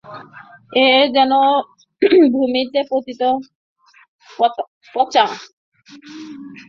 এ যেন ভূমিতে পতিত পচা অপক্ব অপরিণত আপেলগুলি দেখিয়া গাছটির বিচার করা।